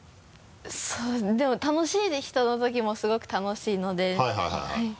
そうですねでも楽しい人のときもすごく楽しいのではい。